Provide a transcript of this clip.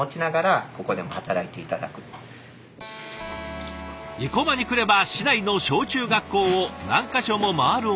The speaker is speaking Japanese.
生駒に来れば市内の小中学校を何か所も回る尾崎さん。